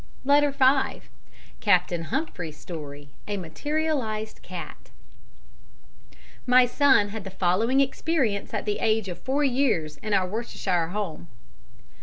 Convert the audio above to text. Letter 5 Captain Humphries's Story A Materialized Cat My son had the following experience at the age of four years in our Worcestershire home.